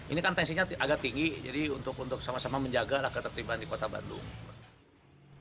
ini kan tensinya agak tinggi jadi untuk sama sama menjagalah ketertiban di kota bandung